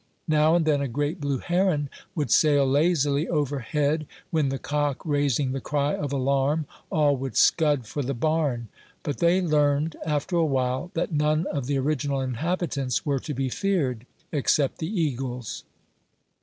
Now and then a great blue heron would sail lazily overhead, when, the cock raising the cry of alarm, all would scud for the barn; but they learned, after a while, that none of the original inhabitants were to be feared, except the eagles.